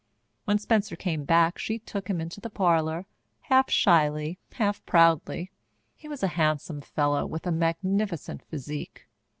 When Spencer came back she took him into the parlour, half shyly, half proudly. He was a handsome fellow, with a magnificent physique.